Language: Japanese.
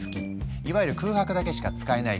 いわゆる空白だけしか使えない言語。